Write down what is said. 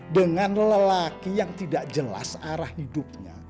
dengan lelaki yang tidak jelas arah hidupnya